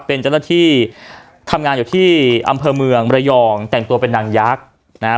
เป็นเจ้าหน้าที่ทำงานอยู่ที่อำเภอเมืองระยองแต่งตัวเป็นนางยักษ์นะฮะ